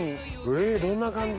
えどんな感じ？